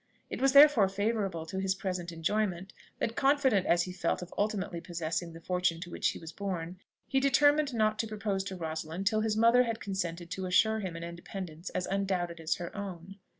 It was therefore favourable to his present enjoyment that, confident as he felt of ultimately possessing the fortune to which he was born, he determined not to propose to Rosalind till his mother had consented to assure to him an independence as undoubted as her own.